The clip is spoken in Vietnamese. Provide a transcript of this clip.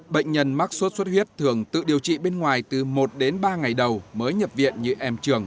bệnh nhân mắc sốt xuất huyết thường tự điều trị bên ngoài từ một đến ba ngày đầu mới nhập viện như em trường